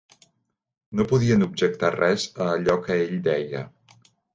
No podien objectar res a allò que ell deia.